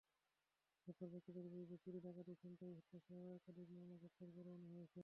গ্রেপ্তার ব্যক্তিদের বিরুদ্ধে চুরি, ডাকাতি, ছিনতাই, হত্যাসহ একাধিক মামলার গ্রেপ্তারি পরোয়ানা রয়েছে।